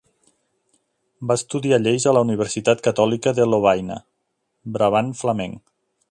Va estudiar lleis a la Universitat Catòlica de Lovaina, Brabant Flamenc.